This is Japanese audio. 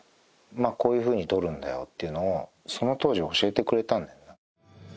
こういう風に撮るんだよっていうのをその当時教えてくれたんだよね。